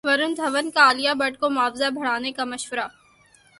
ورن دھون کا عالیہ بھٹ کو معاوضہ بڑھانے کا مشورہ